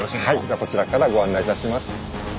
ではこちらからご案内いたします。